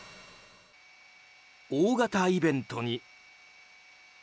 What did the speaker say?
大型イベントに。